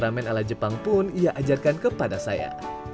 taman ala jepang pun ia ajarkan kepada saya